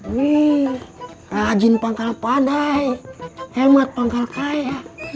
wih rajin pangkal padai hemat pangkal kaya